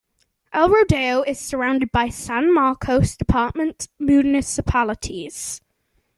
El Rodeo is surrounded by San Marcos Department municipalities.